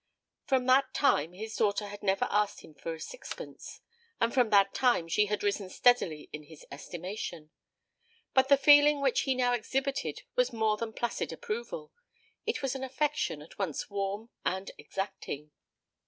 From that time his daughter had never asked him for a sixpence, and from that time she had risen steadily in his estimation. But the feeling which he now exhibited was more than placid approval; it was an affection at once warm and exacting.